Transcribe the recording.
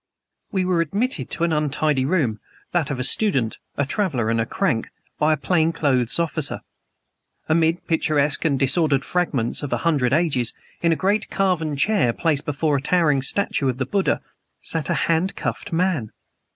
We were admitted to an untidy room that of a student, a traveler and a crank by a plain clothes officer. Amid picturesque and disordered fragments of a hundred ages, in a great carven chair placed before a towering statue of the Buddha, sat a hand cuffed man.